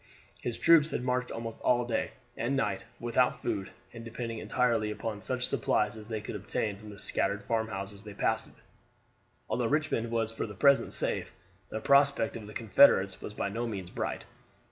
His troops had marched almost day and night, without food, and depending entirely upon such supplies as they could obtain from the scattered farmhouses they passed. Although Richmond was for the present safe, the prospect of the Confederates was by no means bright.